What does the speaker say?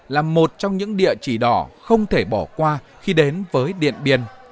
là một trong những địa chỉ đỏ không thể bỏ qua khi đến với điện biên